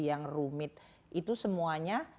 yang rumit itu semuanya